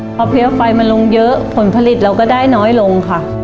พอเพี้ยไฟมันลงเยอะผลผลิตเราก็ได้น้อยลงค่ะ